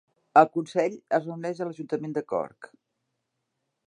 El consell es reuneix a l'ajuntament de Cork.